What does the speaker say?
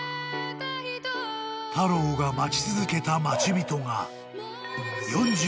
［タローが待ち続けた待ち人が］